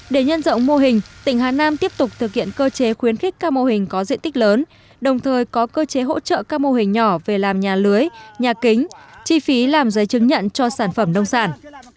để nhân rộng mô hình tỉnh hà nam tiếp tục thực hiện cơ chế khuyến khích các mô hình có diện tích lớn đồng thời có cơ chế hỗ trợ các mô hình nhỏ về làm nhà lưới nhà kính chi phí làm giấy chứng nhận cho sản phẩm nông sản